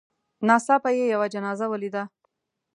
ناڅاپه یې یوه جنازه ولیده.